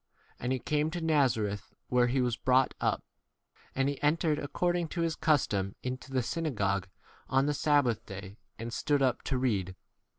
And he came to Nazareth, where he was brought up ; and he entered, ac cording to his custom, into the synagogue on the sabbath day, W and stood up to read.